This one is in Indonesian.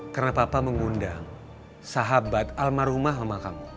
karena papa mengundang sahabat almarhumah sama kamu